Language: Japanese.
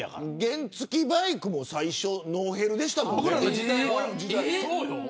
原付バイクも最初はノーヘルでしたもんね。